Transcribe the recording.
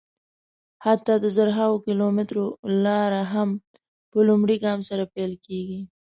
حتی د زرهاوو کیلومترو لاره هم په لومړي ګام سره پیل کېږي.